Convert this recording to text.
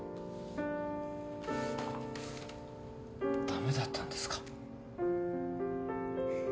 ダメだったんですか？